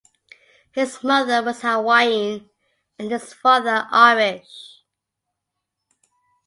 His mother was Hawaiian and his father Irish.